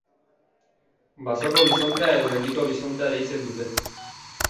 Basoko bisontea edo Mendiko bisontea deitzen dute.